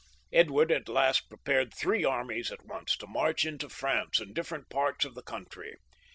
Edward at last prepared three armies at once to march into France in different parts of the country.